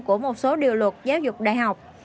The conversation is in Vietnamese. của một số điều luật giáo dục đại học